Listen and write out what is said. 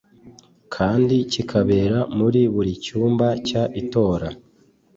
kandi kikabera muri buri cyumba cy itora